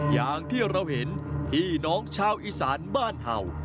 อย่างที่เราเห็นพี่น้องชาวอีสานบ้านเห่า